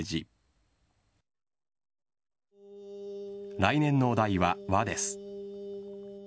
来年のお題は「和」です。